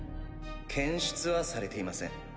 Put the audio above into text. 検出はされていません。